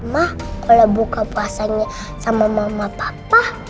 mah kalau buka puasanya sama mama papa